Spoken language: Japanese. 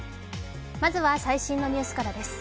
まずは最新のニュースからです。